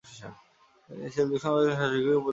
তিনি সেলজুক সাম্রাজ্যের শাসক হিসেবেও অধিষ্ঠিত ছিলেন।